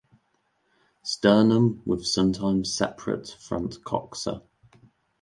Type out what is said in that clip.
Sternum with sometimes separated front coxa.